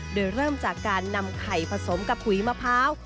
โดยเริ่มจากการนำไข่ผสมกับปุ๋ยมะพร้าว